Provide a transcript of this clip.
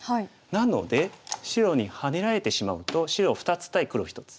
なので白にハネられてしまうと白２つ対黒１つ。